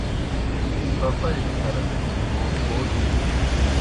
می پَپَئی دہ کھر گوپھو بِلِن۔